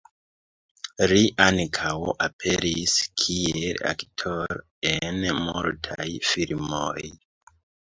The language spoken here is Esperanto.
Li ankaŭ aperis kiel aktoro en multaj filmoj.